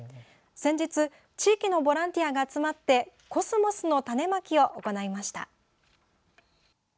先日、地域のボランティアが集まってコスモスの種まきを行いました。